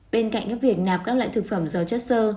bên cạnh các việc nạp các loại thực phẩm dầu chất sơ